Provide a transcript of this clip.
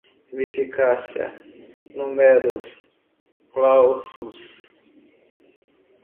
ineficácia, numerus clausus